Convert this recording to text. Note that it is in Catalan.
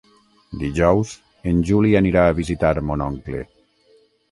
Dijous en Juli anirà a visitar mon oncle.